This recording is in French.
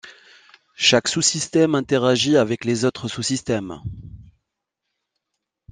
Chaque sous-système interagit avec les autres sous-systèmes.